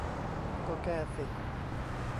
ก็แก้สิ